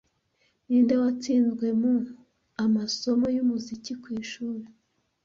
Ninde watsinzwe mu amasomo yumuziki ku ishuri